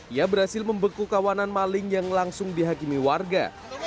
ia berhasil membeku kawanan maling yang langsung dihakimi warga